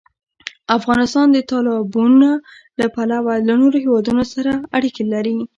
افغانستان د تالابونه له پلوه له نورو هېوادونو سره اړیکې لري.